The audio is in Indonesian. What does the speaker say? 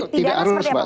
tidak harus pak